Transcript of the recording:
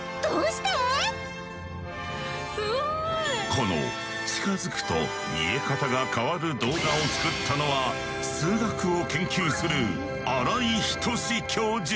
この近づくと見え方が変わる動画を作ったのは数学を研究する新井仁之教授。